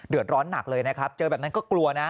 เดือดร้อนหนักเลยนะครับเจอแบบนั้นก็กลัวนะ